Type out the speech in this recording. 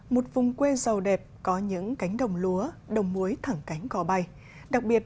một vùng quê giàu đẹp có những cánh đồng lúa đồng muối thẳng cánh gò bay đặc biệt